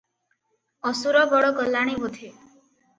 ଅସୁରଗଡ ଗଲାଣି ବୋଧେ ।